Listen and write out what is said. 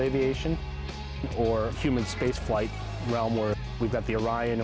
atau penerbangan jeneral di alam udara manusia